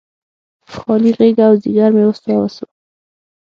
خالي غیږه او ځیګر مې وسوه، وسوه